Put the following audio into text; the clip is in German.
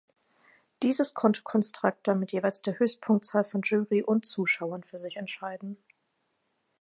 Dieses konnte Konstrakta mit jeweils der Höchstpunktzahl von Jury und Zuschauern für sich entscheiden.